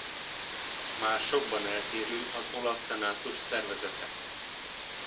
Már sokban eltérő az olasz szenátus szervezete.